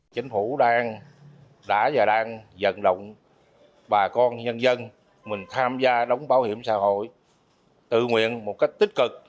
chính phủ đã và đang dần động bà con nhân dân mình tham gia đóng bảo hiểm xã hội tự nguyện một cách tích cực